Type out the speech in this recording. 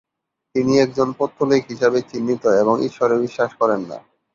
তিনি একজন পৌত্তলিক হিসাবে চিহ্নিত এবং ঈশ্বরে বিশ্বাস করেন না।